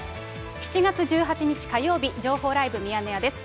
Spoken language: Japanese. ７月１８日火曜日、情報ライブミヤネ屋です。